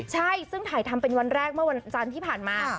ใช่ซึ่งถ่ายทำเป็นวันแรกเมื่อวันจันทร์ที่ผ่านมา